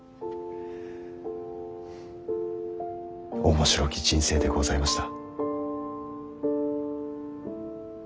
面白き人生でございました。